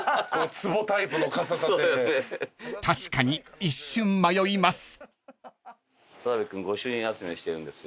［確かに一瞬迷います］